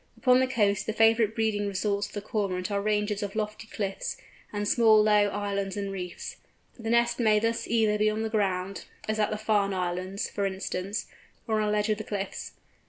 Upon the coast the favourite breeding resorts of the Cormorant are ranges of lofty cliffs, and small low islands and reefs. The nest may thus either be on the ground—as at the Farne Islands, for instance—or on a ledge of the cliffs.